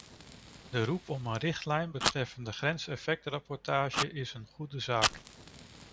De roep om een richtlijn betreffende grenseffectrapportage is een goede zaak.